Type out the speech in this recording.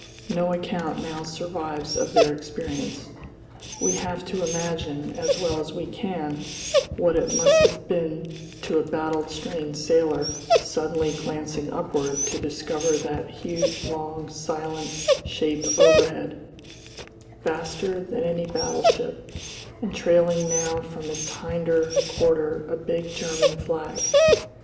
No account now survives of their experience. We have to imagine as well as we can what it must have been to a battled strained sailor suddenly glancing upward to discover that huge long silent shape overhead, vaster than any battleship, and trailing now from its hinder quarter a big German flag.